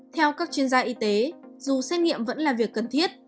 theo các chuyên gia y tế dù xét nghiệm vẫn là việc cần thiết